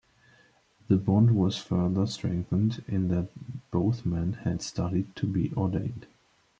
The bond was further strengthened in that both men had studied to be ordained.